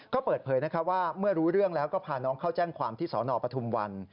ก็เปิดเผยว่าเมื่อรู้เรื่องแล้วก็พาน้องเข้าแจ้งความที่สนปทุมวัน